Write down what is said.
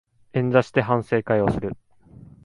円座して反省会をする